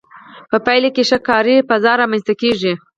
په پایله کې ښه کاري فضا رامنځته کیږي.